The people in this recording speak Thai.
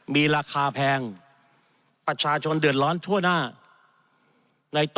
มีราคาแพงประชาชนเดือดร้อนทั่วหน้า